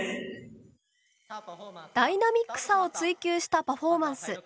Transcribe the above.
ダイナミックさを追求したパフォーマンス。